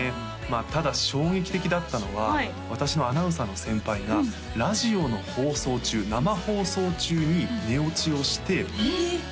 ただ衝撃的だったのは私のアナウンサーの先輩がラジオの放送中生放送中に寝落ちをして・えっ？